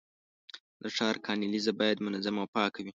د ښار کانالیزه باید منظمه او پاکه وي.